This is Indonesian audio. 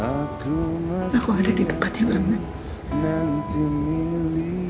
aku ada di tempat yang aman